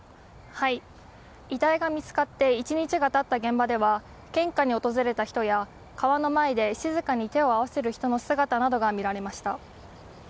遺体が見つかって１日が経った現場では献花に訪れた人や、川の前で静かに手を合わせる人の姿などが見られました。